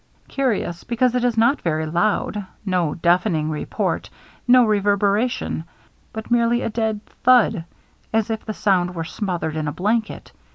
Curious, because it is not very loud — no deafening report — no reverberation — but merely a dead thud^ as if the sound were smoth ered in a blanket.